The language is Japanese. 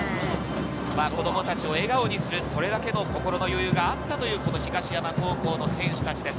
子供たちを笑顔にする心の余裕があったという東山高校の選手たちです。